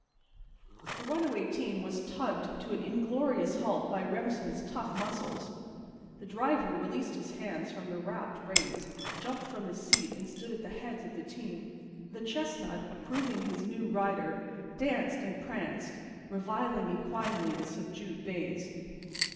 The runaway team was tugged to an inglorious halt by Remsen's tough muscles. The driver released his hands from the wrapped reins, jumped from his seat and stood at the heads of the team. The chestnut, approving his new rider, danced and pranced, reviling equinely the subdued bays.